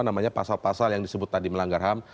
namanya pasal pasal yang disebut tadi melanggar ham